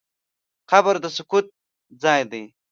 قبر د سکوت ځای دی.